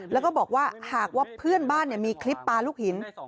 แล้วก็บอกว่าหากว่าเพื่อนบ้านมีคลิปปลาลูกหิน